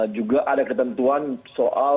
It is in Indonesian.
juga ada ketentuan soal